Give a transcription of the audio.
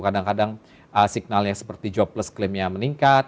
kadang kadang signalnya seperti jobless claim nya meningkat